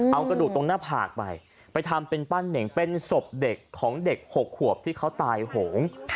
เอากระดูกตรงหน้าผากไปไปทำเป็นปั้นเน่งเป็นศพเด็กของเด็ก๖ขวบที่เขาตายโหง